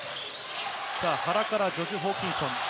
原からジョシュ・ホーキンソン。